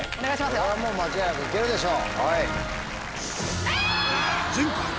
これは間違いなくいけるでしょ。